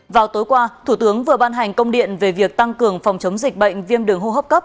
vào tối qua thủ tướng vừa ban hành công điện về việc tăng cường phòng chống dịch bệnh viêm đường hô hấp cấp